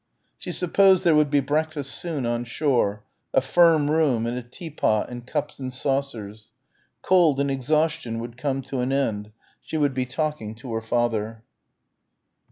She supposed there would be breakfast soon on shore, a firm room and a teapot and cups and saucers. Cold and exhaustion would come to an end. She would be talking to her father.